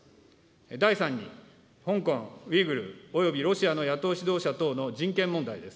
第３に、香港、ウイグル、およびロシアの野党指導者の人権問題です。